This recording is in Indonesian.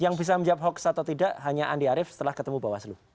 yang bisa menjawab hoax atau tidak hanya andi arief setelah ketemu bawaslu